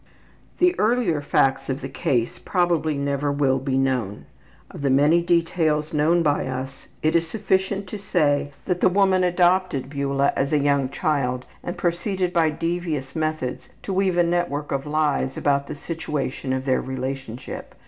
'' The earlier facts of the case probably never will be known. Of the many details known by us it is sufficient to say that the woman adopted Beula as a young child and proceeded by devious methods to weave a network of lies about the situation of their relationship.